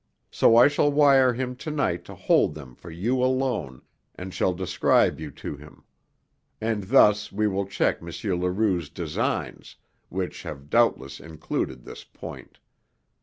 So I shall wire him tonight to hold them for you alone, and shall describe you to him. And thus we will check M. Leroux's designs, which have doubtless included this point.